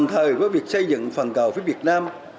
thời với việc xây dựng phần cầu phía việt nam